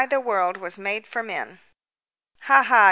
The world was made for men. "Ha ha!